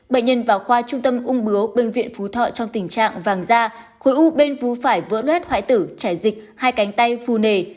bệnh nhân vào khoa trung tâm ung bướu bệnh viện phú thọ trong tình trạng vàng da khối u bên vu phải vỡ luyết hoại tử chảy dịch hai cánh tay phù nề